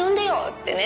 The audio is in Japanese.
ってね。